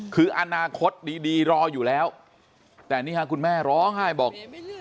คืออนาคตดีรออยู่แล้วแต่นี่ค่ะคุณแม่ร้องไห้บอก